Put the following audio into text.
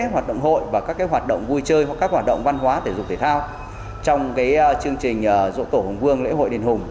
hoạt động hội và các hoạt động vui chơi hoặc các hoạt động văn hóa thể dục thể thao